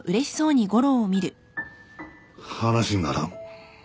話にならん。